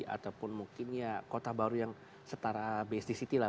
ataupun mungkin ya kota baru yang setara bsdcity lah